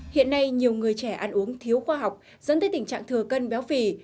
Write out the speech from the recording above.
hiện nay nhiều người trẻ ăn uống thiếu khoa học dẫn tới tình trạng thừa cân béo phì